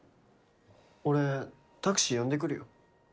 俺タクシー呼んでくるよ。